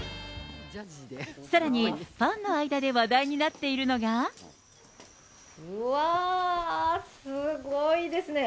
さらに、ファンの間で話題になっうわー、すごいですね。